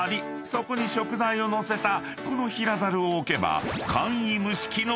そこに食材を載せたこの平ザルを置けば］